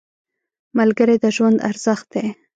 ملګری د ژوند ارزښت دی